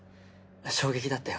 衝撃だったよ。